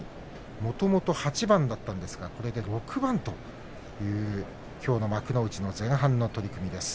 もともと８番だったんですがこれで６番というきょうの幕内前半です。